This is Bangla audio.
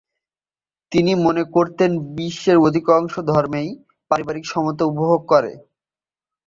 তিনি মনে করতেন বিশ্বের অধিকাংশ ধর্মই "পারিবারিক সমতা" উপভোগ করে।